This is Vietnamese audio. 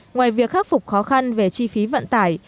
ngoài việc khắc phục khó khăn về chi phí vận tải